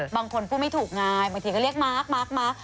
บางคนพูดไม่ถูกง่ายบางทีก็เรียกมาสมาสมาส